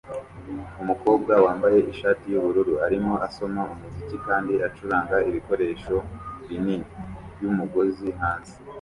Umukobwa wambaye ishati yubururu arimo asoma umuziki kandi acuranga ibikoresho binini byumugozi hanze